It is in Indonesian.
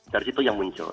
dari situ yang muncul